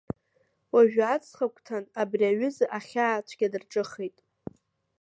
Уажәы аҵхагәҭан абри аҩыза ахьаа цәгьа дарҿыхеит.